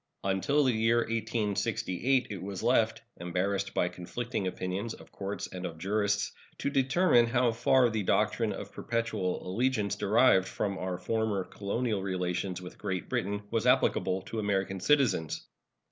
Until the year 1868 it was left, embarrassed by conflicting opinions of courts and of jurists, to determine how far the doctrine of perpetual allegiance derived from our former colonial relations with Great Britain was applicable to American citizens.